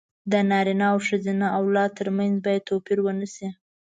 د نارينه او ښځينه اولاد تر منځ بايد توپير ونشي.